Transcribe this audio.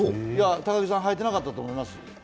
高木さん、はいてなかったと思います。